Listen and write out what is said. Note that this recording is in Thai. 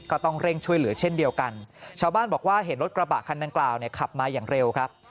ก็ต้องเร่งช่วยเหลือเช่นเดียวกันชาวบ้านบอกว่าเห็นรถกระบะคันดังกล่าวเนี่ยขับมาอย่างเร็วครับ